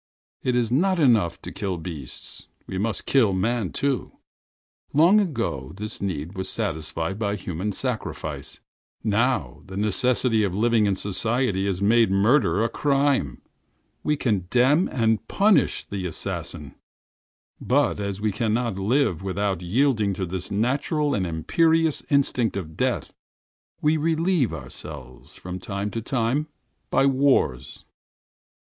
It is not enough to kill beasts; we must kill man too. Long ago this need was satisfied by human sacrifices. Now the requirements of social life have made murder a crime. We condemn and punish the assassin! But as we cannot live without yielding to this natural and imperious instinct of death, we relieve ourselves, from time to time, by wars.